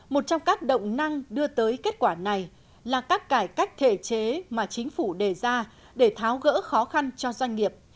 một trong các động năng đưa tới kết quả này là các cải cách thể chế mà chính phủ đề ra để tháo gỡ khó khăn cho doanh nghiệp